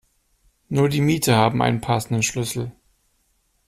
Nur die Mieter haben einen passenden Schlüssel.